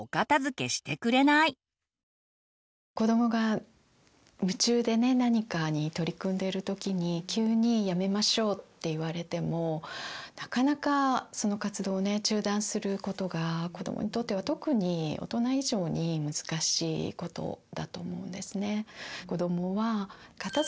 子どもが夢中で何かに取り組んでる時に急にやめましょうって言われてもなかなかその活動を中断することが子どもにとっては特に大人以上に難しいことだと思うんですね。